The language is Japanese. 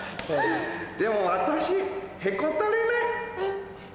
でも私へこたれない！